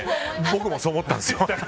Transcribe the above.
僕もそう思ったんですよ。